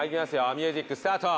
ミュージックスタート！